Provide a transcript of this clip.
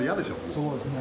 そうですね。